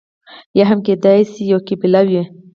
یا هم کېدای شي یوه قبیله وي.